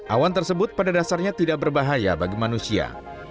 awan tersebut pada dasarnya tidak berbahaya bagi manusia